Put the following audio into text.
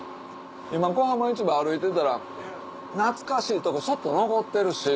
今粉浜市場歩いてたら懐かしいとこそっと残ってるし。